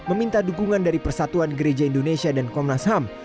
meminta dukungan dari persatuan gereja indonesia dan komnas ham